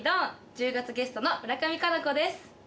１０がつゲストの村上佳菜子です。